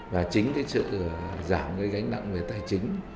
và chính sự giảm gánh nặng về tài chính